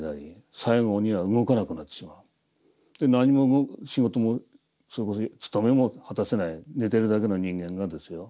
何も仕事もそれこそ勤めも果たせない寝てるだけの人間がですよ